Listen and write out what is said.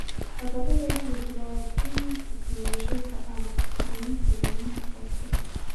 ازادي راډیو د اطلاعاتی تکنالوژي په اړه ښوونیز پروګرامونه خپاره کړي.